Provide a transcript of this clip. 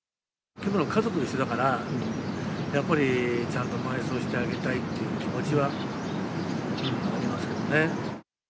家族だから、やっぱりちゃんと埋葬してあげたいという気持ちはありますよね。